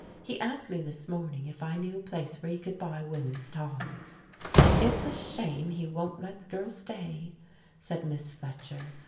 "He asked me this morning if I knew a place where he could buy women's togs." "It's a shame he won't let the girl stay," said Miss Fletcher.